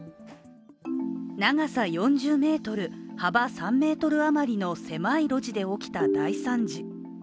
長さ４０ｍ、幅３ｍ余りの狭い路地で起きた大惨事。